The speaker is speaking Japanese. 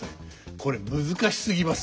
これ難しすぎます。